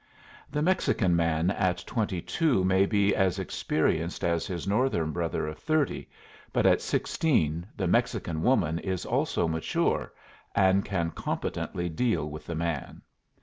The Mexican man at twenty two may be as experienced as his Northern brother of thirty, but at sixteen the Mexican woman is also mature, and can competently deal with the man.